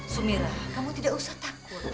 sumira kamu tidak usah takut